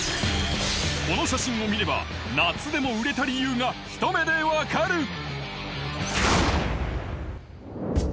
この写真を見れば、夏でも売れた理由がひと目でわかる！